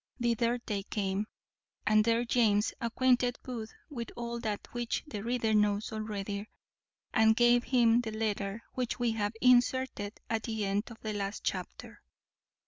Thither they came, and there James acquainted Booth with all that which the reader knows already, and gave him the letter which we have inserted at the end of the last chapter.